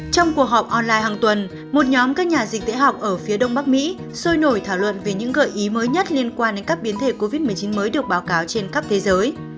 trong cuộc họp online hàng tuần một nhóm các nhà dịch tễ học ở phía đông bắc mỹ sôi nổi thảo luận về những gợi ý mới nhất liên quan đến các biến thể covid một mươi chín mới được báo cáo trên khắp thế giới